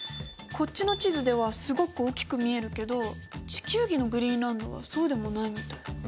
こっちの地図ではすごく大きく見えるけど地球儀のグリーンランドはそうでもないみたい。